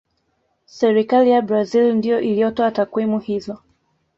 serikali ya brazil ndiyo iliyotoa takwimu hizo